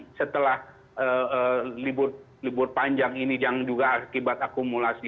jadi setelah libur panjang ini jangan juga akibat akumulasi